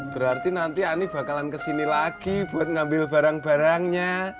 berarti nanti ani bakalan kesini lagi buat ngambil barang barangnya